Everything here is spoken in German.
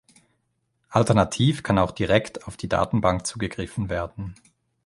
Alternativ kann auch direkt auf die Datenbank zugegriffen werden.